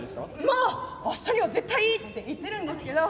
まあ明日には絶対って言ってるんですけど。